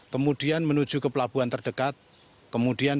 kami juga harus unggul alat alatan perubahan